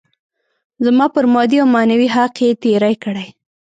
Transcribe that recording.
زما پر مادي او معنوي حق يې تېری کړی.